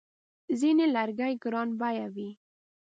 ځینې لرګي ګرانبیه وي.